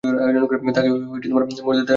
তাকে মরতে দেয়া যাবে না।